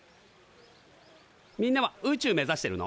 みんなは宇宙目指してるの？